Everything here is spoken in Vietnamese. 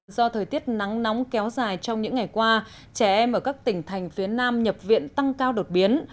do thời tiết nắng nóng kéo dài trong những ngày qua trẻ em ở các tỉnh thành phía nam nhập viện tăng cao đột biến